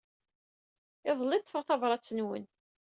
Iḍelli ay d-ḍḍfeɣ tabṛat-nwen.